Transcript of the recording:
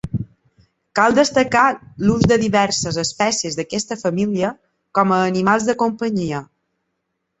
Cal destacar l'ús de diverses espècies d'aquesta família com a animals de companyia.